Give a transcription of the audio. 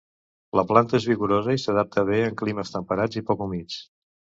La planta és vigorosa i s'adapta bé en climes temperats i poc humits.